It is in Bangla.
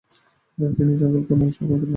তিনি সকলকে মাংস ভক্ষণ করতে নিষেধ করেন।